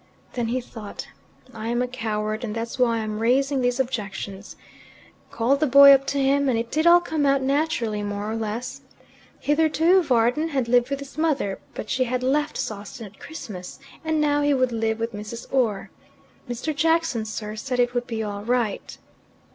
Then he thought, "I am a coward, and that's why I'm raising these objections," called the boy up to him, and it did all come out naturally, more or less. Hitherto Varden had lived with his mother; but she had left Sawston at Christmas, and now he would live with Mrs. Orr. "Mr. Jackson, sir, said it would be all right."